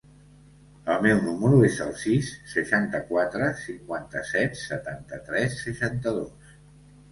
El meu número es el sis, seixanta-quatre, cinquanta-set, setanta-tres, seixanta-dos.